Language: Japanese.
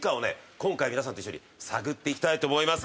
今回、皆さんと一緒に探っていきたいと思います。